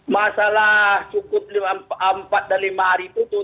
masalah cukup empat dan lima hari tutup